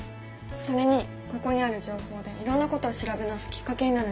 それにここにある情報でいろんなことを調べ直すきっかけになるんじゃない？